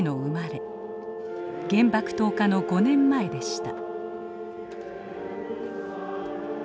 原爆投下の５年前でした。